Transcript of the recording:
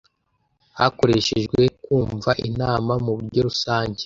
hakoreshejwe kumva inama mu buryo rusange